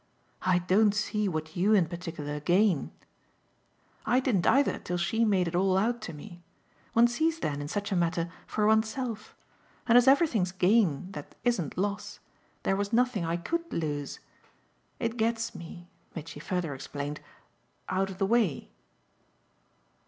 "I don't see what you in particular gain." "I didn't either till she made it all out to me. One sees then, in such a matter, for one's self. And as everything's gain that isn't loss, there was nothing I COULD lose. It gets me," Mitchy further explained, "out of the way."